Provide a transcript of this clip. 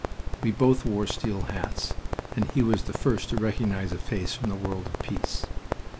We both wore steel hats, and he was the first to recognize a face from the world of peace.